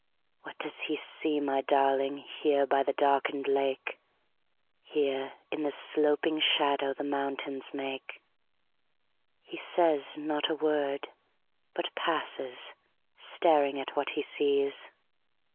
What does he see, my darlingHere by the darkened lake? Here, in the sloping shadowThe mountains make? He says not a word, but passes, Staring at what he sees.